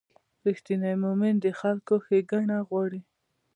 رښتینی مؤمن د خلکو ښېګڼه غواړي.